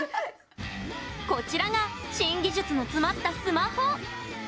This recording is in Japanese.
こちらが新技術の詰まったスマホ。